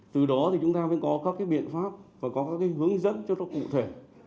từ đó thì chúng ta mới có các cái biện pháp và có các cái hướng dẫn cho nó cụ thể